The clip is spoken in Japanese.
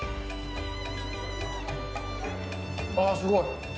あー、すごい。